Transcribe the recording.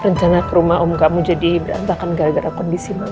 rencana ke rumah om kamu jadi berantakan gara gara kondisimu